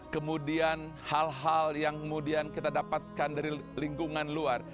kemudian hal hal yang kemudian kita dapatkan dari lingkungan luar